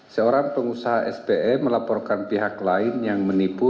seorang pengusaha spe melaporkan pihak lain yang menipu